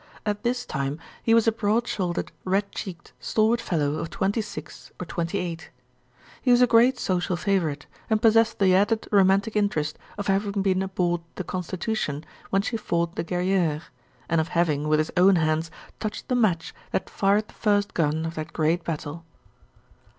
At this time he was a broad shouldered, red cheeked, stalwart fellow of twenty six or twenty eight. He was a great social favorite, and possessed the added romantic interest of having been aboard the Constitution when she fought the Guerriere, and of having, with his own hands, touched the match that fired the first gun of that great battle.